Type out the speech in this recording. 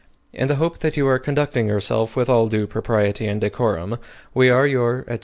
In the hope that you are conducting yourself with all due propriety and decorum, we are your, &c.